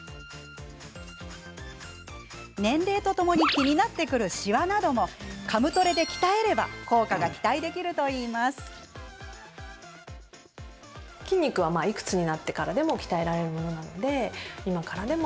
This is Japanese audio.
年齢とともに気になってくるしわなどもカムトレで鍛えれば効果が期待できるといいます。ということで。